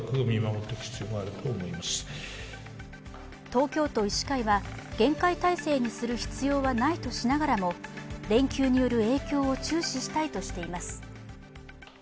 東京都医師会は、厳戒態勢にする必要はないとしながらも連休による影響を注視したいとしています。